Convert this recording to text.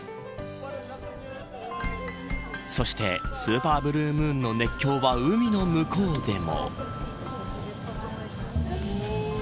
そしてスーパーブルームーンの熱狂は海の向こうでも。